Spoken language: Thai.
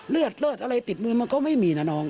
เลือดเลิศอะไรติดมือมันก็ไม่มีนะน้อง